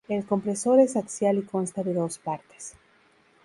El compresor es axial y consta de dos partes.